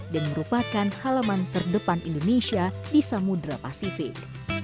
dan merupakan halaman terdepan indonesia di samudera pasifik